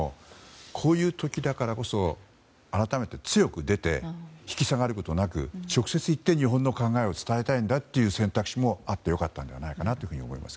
こういう時だからこそ改めて強く出て引き下がることなく直接行って日本の考えを伝えたいんだという選択肢もあって良かったのではないかと思います。